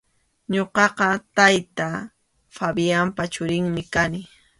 Ñuqaqa tayta Fabianpa churinmi kani.